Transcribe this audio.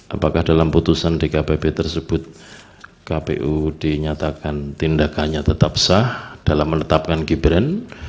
apakah dalam putusan dkpp tersebut kpu dinyatakan tindakannya tetap sah dalam menetapkan gibran